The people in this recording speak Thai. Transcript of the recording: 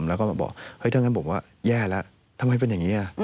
แล้วก็มาบอกเถอะงั้นแย่ละทำไมเป็นอย่างนี้